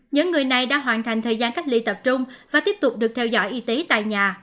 những người này đã hoàn thành thời gian cách ly tập trung và tiếp tục được theo dõi y tế tại nhà